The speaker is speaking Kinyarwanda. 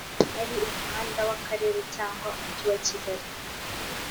ari umuhanda w akarere cyangwa umujyi wakigali